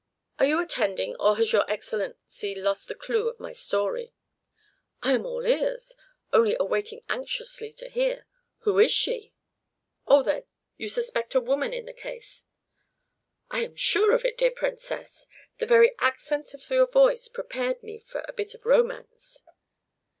Are you attending; or has your Excellency lost the clew of my story?" "I am all ears; only waiting anxiously to hear: who is she?" "Oh, then, you suspect a woman in the case?" "I am sure of it, dear Princess. The very accents of your voice prepared me for a bit of romance."